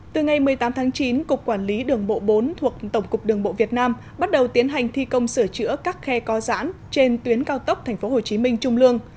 từ ngày một mươi tám tháng chín cục quản lý đường bộ bốn thuộc tổng cục đường bộ việt nam bắt đầu tiến hành thi công sửa chữa các khe co giãn trên tuyến cao tốc tp hcm trung lương